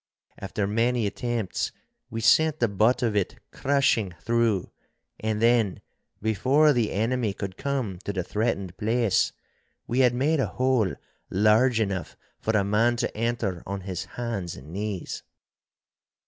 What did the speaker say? After many attempts we sent the butt of it crushing through, and then, before the enemy could come to the threatened place, we had made a hole large enough for a man to enter on his hands and knees.